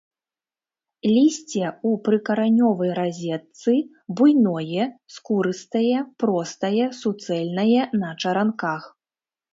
Лісце ў прыкаранёвай разетцы, буйное, скурыстае, простае, суцэльнае, на чаранках.